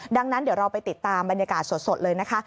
ดังนั้นเดี๋ยวเราไปติดตามบรรยากาศสดเลยนะคะ